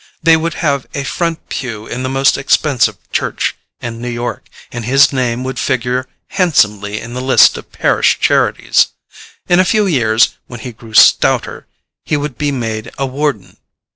They would have a front pew in the most expensive church in New York, and his name would figure handsomely in the list of parish charities. In a few years, when he grew stouter, he would be made a warden.